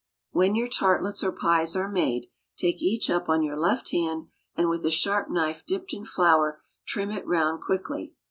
When your tartlets or pies are made, take each up on your left hand, and with a sharp knife dipped in flour trim it round quickly.